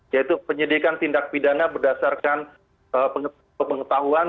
yaitu penyidikan tindak pidana berdasarkan pengetahuan